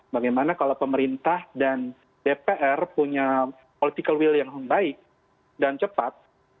bagaimana kalau pemerintah dan dpr punya political will yang baik dan cepat